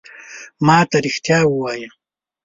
ما ته رېښتیا ووایه !